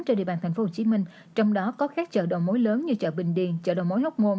trên địa bàn thành phố hồ chí minh trong đó có các chợ đồ mối lớn như chợ bình điền chợ đồ mối hóc môn